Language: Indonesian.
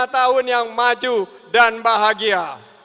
lima tahun yang maju dan bahagia